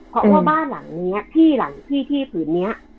เพราะว่าบ้านหลังนี้ที่หลังที่ที่ผืนนี้